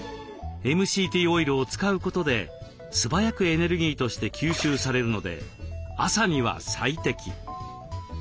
ＭＣＴオイルを使うことで素早くエネルギーとして吸収されるので朝には最適。